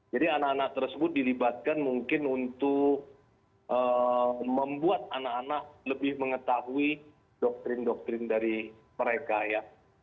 jadi anak anak tersebut dilibatkan mungkin untuk membuat anak anak lebih mengetahui doktrin doktrin dari mereka ya